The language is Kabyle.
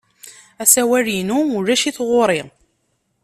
Asawal-inu ulac-it ɣer-i.